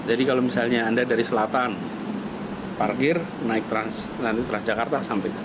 jadi kalau misalnya anda dari selatan parkir naik transjakarta sampai ke sini